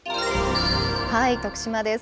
徳島です。